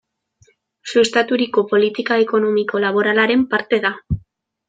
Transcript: Sustaturiko politika ekonomiko-laboralaren parte da.